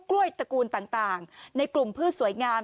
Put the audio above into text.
้วยตระกูลต่างในกลุ่มพืชสวยงาม